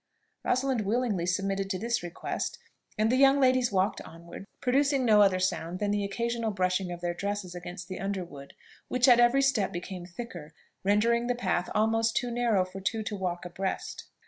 Rosalind willingly submitted to this request; and the young ladies walked onward, producing no other sound than the occasional brushing of their dresses against the underwood, which at every step became thicker, rendering the path almost too narrow for two to walk abreast.